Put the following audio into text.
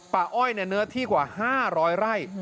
ป่าอ้อยเนี่ยเนื้อที่กว่า๕๐๐ไร่